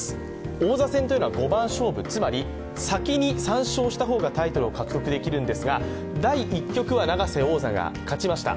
王座戦というのは五番勝負、つまり先に３勝を獲得した方がタイトル獲得になりますが、第１局は、永瀬王座が勝ちました。